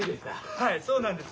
はいそうなんです。